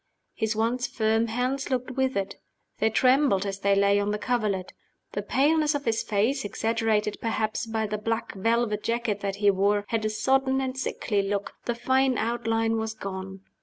His once firm hands looked withered; they trembled as they lay on the coverlet. The paleness of his face (exaggerated, perhaps, by the black velvet jacket that he wore) had a sodden and sickly look the fine outline was gone.